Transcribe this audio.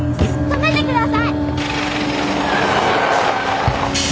止めてください。